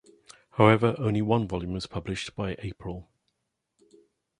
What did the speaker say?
However, only one volume was published by Aprill.